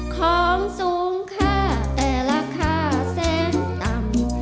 ของสูงค่าแต่ราคาแสนต่ำ